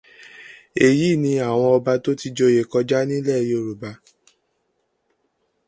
Èyí ni àwọn ọba tó ti joyè kọ́já ní ilẹ̀ Yorùbá.